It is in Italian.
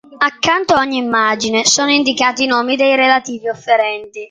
Accanto a ogni immagine sono indicati i nomi dei relativi offerenti.